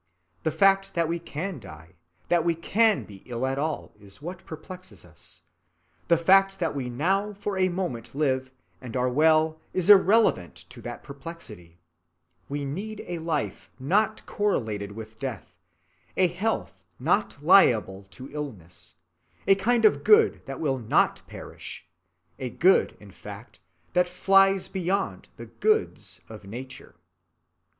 The fact that we can die, that we can be ill at all, is what perplexes us; the fact that we now for a moment live and are well is irrelevant to that perplexity. We need a life not correlated with death, a health not liable to illness, a kind of good that will not perish, a good in fact that flies beyond the Goods of nature.